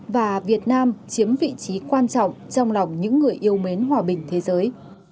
và việt nam chiếm vị trí quan trọng trong lòng những người yêu mến hòa bình thế giới